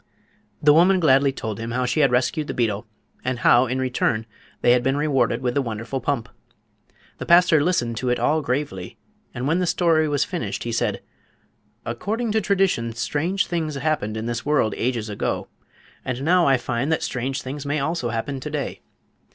The woman gladly told him how she had rescued the beetle, and how, in return, they had been rewarded with the wonderful pump. The pastor listened to it all gravely, and when the story was finished he said: "According to tradition strange things happened in this world ages ago, and now I find that strange things may also happen to day.